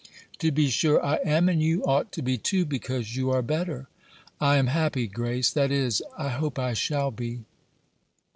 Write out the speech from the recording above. "To be sure I am; and you ought to be too, because you are better." "I am happy, Grace that is, I hope I shall be."